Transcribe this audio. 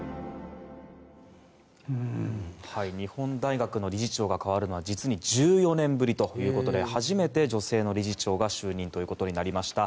日本大学の理事長が代わるのは実に１４年ぶりということで初めて女性の理事長が就任となりました。